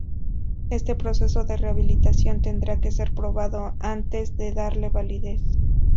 Este proceso de rehabilitación tendrá que ser probado antes de darle validez.